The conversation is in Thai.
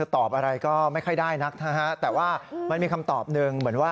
เค้าตอบอะไรก็ไม่ค่อยได้นะครับแต่ว่ามันมีคำตอบหนึ่ง